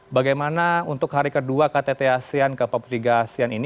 bagaimana untuk hari kedua ktt asean ke empat puluh tiga asean ini